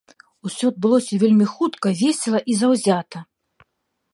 Усё адбылося вельмі хутка, весела і заўзята.